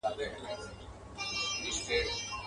د پردیو په کوڅه کي ارمانونه ښخومه.